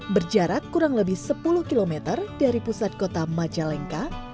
berjarak kurang lebih sepuluh km dari pusat kota majalengka